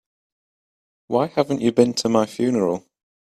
Why haven't you been to my funeral?